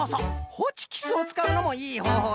ホチキスをつかうのもいいほうほうなんじゃよね。